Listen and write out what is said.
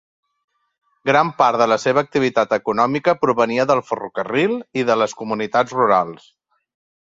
Gran part de la seva activitat econòmica provenia del ferrocarril i de les comunitats rurals.